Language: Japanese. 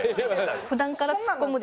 普段からツッコむで！